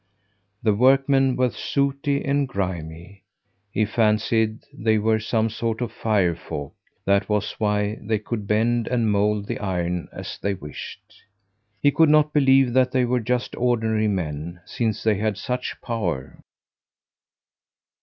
The workmen were sooty and grimy. He fancied they were some sort of firefolk that was why they could bend and mould the iron as they wished. He could not believe that they were just ordinary men, since they had such power!